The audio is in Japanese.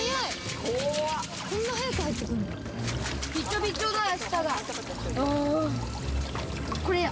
こんな早く入ってくんの？